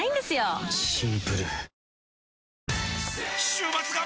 週末が！！